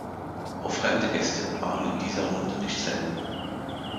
Auch fremde Gäste waren in dieser Runde nicht selten.